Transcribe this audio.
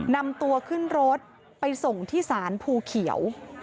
นำตัวขึ้นรถไปส่งที่ศาลภูเขียว